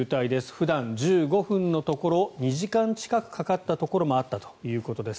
普段、１５分のところ２時間近くかかったところもあったということです。